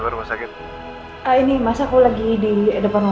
hari hari andin yang merusak baik baik aja kok ya